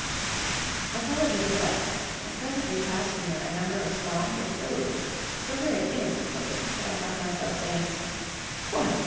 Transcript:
I followed his advice, and presently passed near a number of small brick buildings so very innocent looking that I found myself saying, "What!